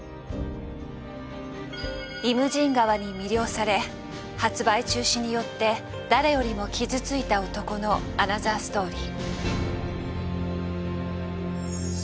「イムジン河」に魅了され発売中止によって誰よりも傷ついた男のアナザーストーリー。